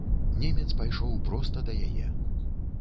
Немец пайшоў проста да яе.